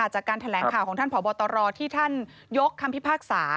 จากการแถลงข่าวของท่านผอบตรที่ท่านยกคำพิพากษา